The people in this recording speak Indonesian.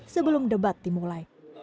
sebelum debat dimulai